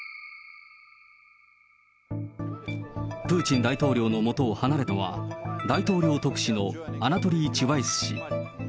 プーチン大統領のもとを離れたのは、大統領特使のアナトリー・チュバイス氏。